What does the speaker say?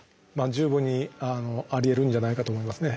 十分にありえるんじゃないかと思いますね。